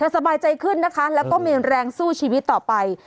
สบายใจขึ้นนะคะแล้วก็มีแรงสู้ชีวิตต่อไป